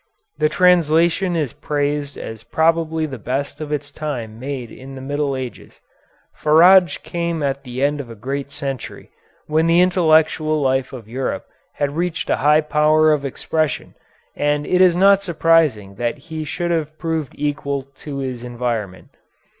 The translation is praised as probably the best of its time made in the Middle Ages. Faradj came at the end of a great century, when the intellectual life of Europe had reached a high power of expression, and it is not surprising that he should have proved equal to his environment.